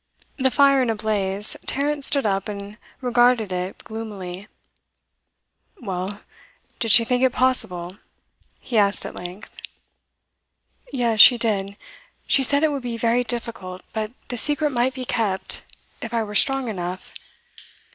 The fire in a blaze, Tarrant stood up and regarded it gloomily. 'Well, did she think it possible?' he asked at length. 'Yes, she did. She said it would be very difficult, but the secret might be kept if I were strong enough.